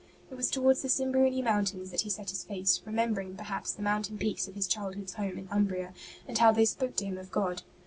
It was towards the Simbruini Mountains that he set his face, remembering, perhaps, the mountain peaks of his childhood's home in Umbria, and how they spoke to him of God.